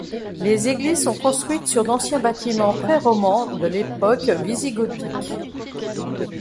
Les églises sont construites sur d'anciens bâtiments pré-romans de l'époque wisigothique.